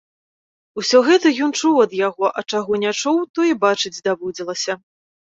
Усё гэта ён чуў ад яго, а чаго не чуў, тое бачыць даводзілася.